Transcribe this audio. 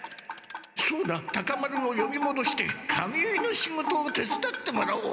そうだタカ丸をよびもどして髪結いの仕事をてつだってもらおう。